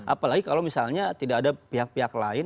apalagi kalau misalnya tidak ada pihak pihak lain